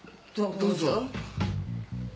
どどうぞ